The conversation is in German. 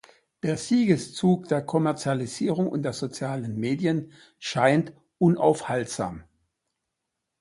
Der Siegeszug der Kommerzialisierung und der sozialen Medien scheint unaufhaltsam.